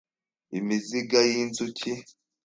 imizinga y inzuki